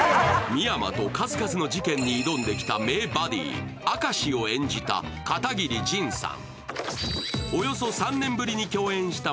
深山と数々の事件に挑んできた名バディ、明石を演じてきた片桐仁さん。